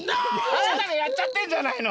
あなたがやっちゃってんじゃないの？